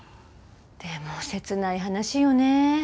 でも切ない話よね。